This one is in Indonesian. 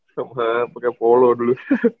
sama pakai polo dulu